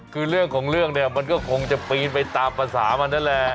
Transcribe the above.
คือเรื่องของเรื่องเนี่ยมันก็คงจะปีนไปตามภาษามันนั่นแหละ